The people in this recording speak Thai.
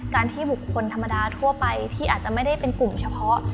การที่บุคคลธรรมดาทั่วไปที่อาจจะไม่ได้เป็นกลุ่มเฉพาะ